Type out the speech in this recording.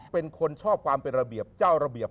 เป็นคนชอบความเป็นระเบียบเจ้าระเบียบ